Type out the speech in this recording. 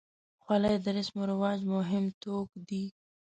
خولۍ د رسم و رواج مهم توک دی.